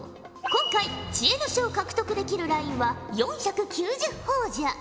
今回知恵の書を獲得できるラインは４９０ほぉじゃ。